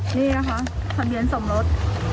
นี่แหละคะศัลเบียนสมรส